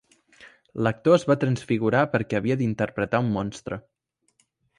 L'actor es va transfigurar perquè havia d'interpretar un monstre.